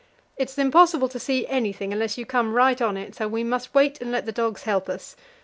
It is impossible to see anything unless you come right on it, so we must wait and let the dogs help us.